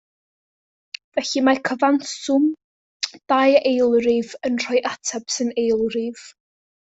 Felly, mae cyfanswm dau eilrif yn rhoi ateb sy'n eilrif.